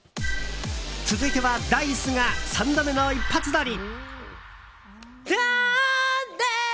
続いては、Ｄａ‐ｉＣＥが３度目の一発撮り！